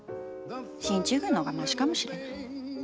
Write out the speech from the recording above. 進駐軍の方がましかもしれない。